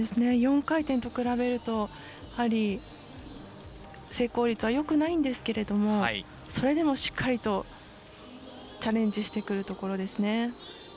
４回転と比べると成功率はよくないんですけれどもそれでもしっかりとチャレンジしてくるところですね。